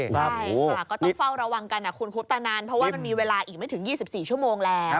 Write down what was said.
ใช่ค่ะก็ต้องเฝ้าระวังกันนะคุณคุปตะนันเพราะว่ามันมีเวลาอีกไม่ถึง๒๔ชั่วโมงแล้ว